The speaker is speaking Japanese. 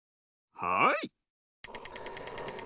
はい。